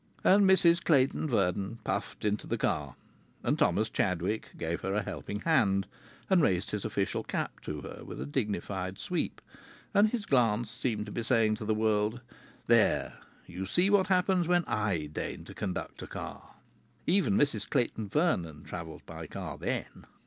And Mrs Clayton Vernon puffed into the car. And Thomas Chadwick gave her a helping hand, and raised his official cap to her with a dignified sweep; and his glance seemed to be saying to the world, "There, you see what happens when I deign to conduct a car! Even Mrs Clayton Vernon travels by car then."